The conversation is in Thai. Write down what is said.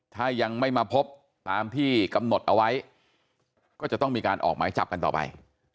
ถ้ายังไม่มาพบตามที่กำหนดเอาไว้ก็จะต้องมีการออกหมายจับกันต่อไป